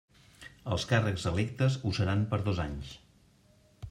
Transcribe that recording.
Els càrrecs electes ho seran per dos anys.